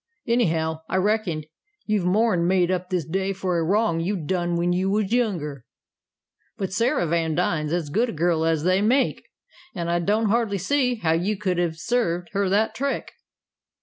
"Anyhow, I reckon you've more'n made up this day for the wrong you done when you was younger. But Sarah Vandine's as good a girl as they make, an' I don't hardly see how you could 'a' served her that trick."